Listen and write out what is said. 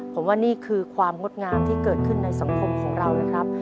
ผมว่านี่คือความงดงามที่เกิดขึ้นในสังคมของเรานะครับ